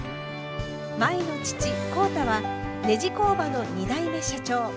舞の父浩太はネジ工場の２代目社長。